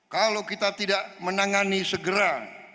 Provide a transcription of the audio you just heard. kalau kita tidak menangani segera